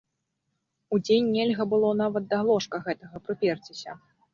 Удзень нельга было нават да ложка гэтага прыперціся.